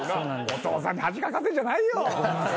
お父さんに恥かかせんじゃないよ。